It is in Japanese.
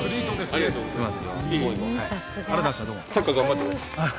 ありがとうございます。